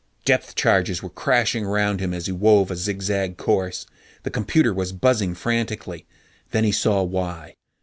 Depth charges were crashing around him as he wove a zig zag course. The computer was buzzing frantically. Then he saw why.